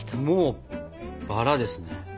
もうバラですね。